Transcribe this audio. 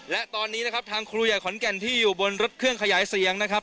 และตอนนี้นะครับทางครูใหญ่ขอนแก่นที่อยู่บนรถเครื่องขยายเสียงนะครับ